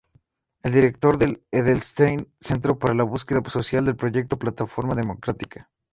Es Director del Edelstein Centro para Búsqueda Social y del Proyecto "Plataforma Democrática".